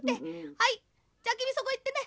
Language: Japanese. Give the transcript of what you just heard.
「はいじゃあきみそこいってね。